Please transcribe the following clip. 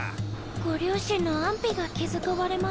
ご両親の安否が気遣われマス。